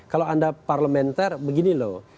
kalau anda parlementer begini loh